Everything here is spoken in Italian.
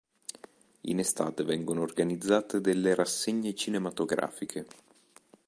In estate vengono organizzate delle rassegne cinematografiche.